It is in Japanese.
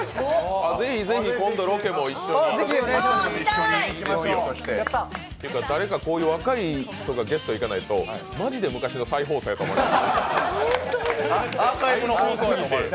ぜひぜひ今度、ロケも一緒に誰かこういう若い人がゲスト行かないとマジで昔の再放送やと思われる。